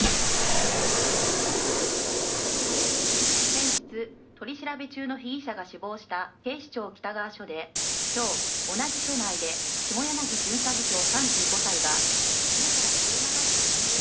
「先日取り調べ中の被疑者が死亡した警視庁北川署で今日同じ署内で下柳巡査部長３５歳が胸から血を流して死んでいるのを」